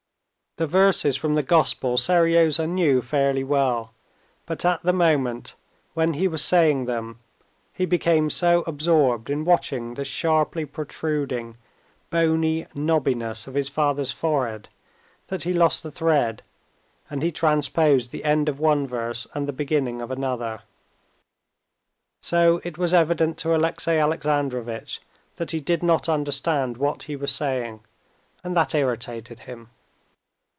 The verses from the Gospel Seryozha knew fairly well, but at the moment when he was saying them he became so absorbed in watching the sharply protruding, bony knobbiness of his father's forehead, that he lost the thread, and he transposed the end of one verse and the beginning of another. So it was evident to Alexey Alexandrovitch that he did not understand what he was saying, and that irritated him.